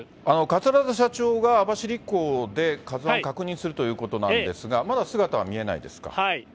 桂田社長が網走港でＫＡＺＵＩを確認するということなんですが、まだ姿は見えないですか。